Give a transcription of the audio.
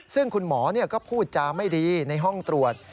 ซึ่งคุณหมอก็พูดจาไม่ดีในห้องตรวจ